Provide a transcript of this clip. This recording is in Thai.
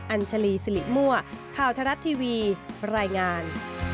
อัญชลีสิริมั่วข่าวทรัฐทีวีรายงาน